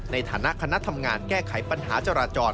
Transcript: ในฐานะคณะทำงานแก้ไขปัญหาจราจร